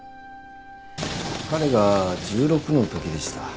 彼が１６の時でした。